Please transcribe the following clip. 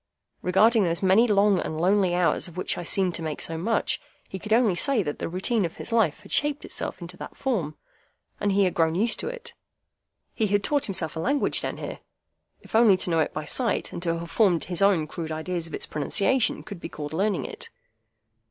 Regarding those many long and lonely hours of which I seemed to make so much, he could only say that the routine of his life had shaped itself into that form, and he had grown used to it. He had taught himself a language down here,—if only to know it by sight, and to have formed his own crude ideas of its pronunciation, could be called learning it.